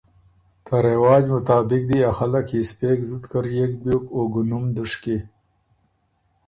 ته رواج مطابق دی ا خلق یِسپېک زُت کرئېک بیوک او ګُونُم دُشکی۔